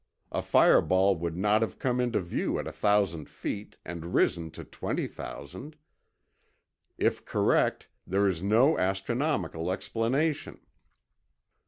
... A fireball would not have come into view at 1,000 feet and risen to 20,000. If correct, there is no astronomical explanation.